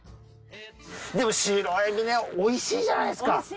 でもシロエビねおいしいじゃないですか富山。